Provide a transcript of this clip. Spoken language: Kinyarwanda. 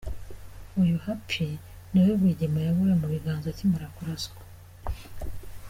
Uyu Happy niwe Rwigema yaguye mu biganza akimara kuraswa.